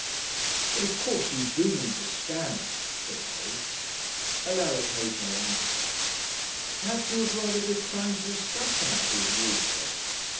'But of course you do mean to stand?' said Harry. Alaric made no answer. 'Perhaps you would rather decline to discuss the matter with me also?'